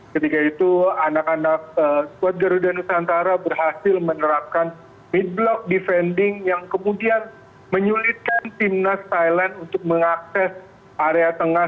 ketika itu anak anak skuad garuda nusantara berhasil menerapkan mid block defending yang kemudian menyulitkan timnas thailand untuk mengakses area tengah